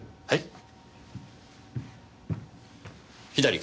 はい！